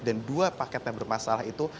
dan dua paket yang bermasalah itu